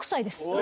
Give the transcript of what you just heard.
え！